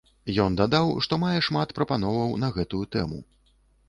Ён дадаў, што мае шмат прапановаў на гэтую тэму.